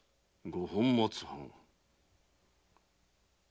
五本松藩。